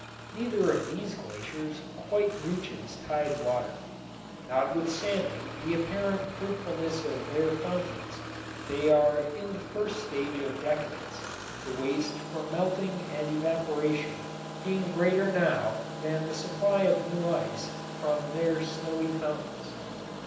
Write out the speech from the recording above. Neither of these glaciers quite reaches tide water. Notwithstanding the apparent fruitfulness of their fountains, they are in the first stage of decadence, the waste from melting and evaporation being greater now than the supply of new ice from their snowy fountains.